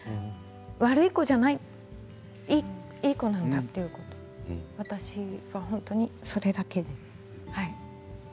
悪い子じゃないいい子なんだということ私は本当に、それだけです。